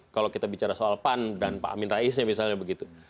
kalau kita bicara soal pan dan pak amin raisnya misalnya begitu